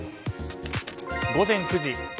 午前９時。